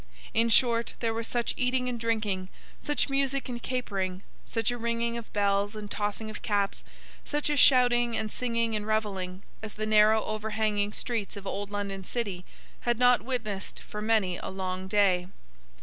In short, there was such eating and drinking, such music and capering, such a ringing of bells and tossing of caps, such a shouting, and singing, and revelling, as the narrow overhanging streets of old London City had not witnessed for many a long day.